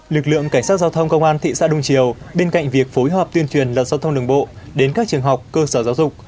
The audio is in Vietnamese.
lực lượng cảnh sát giao thông công an thị xã đông triều